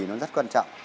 nó rất quan trọng